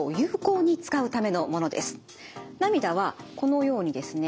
涙はこのようにですね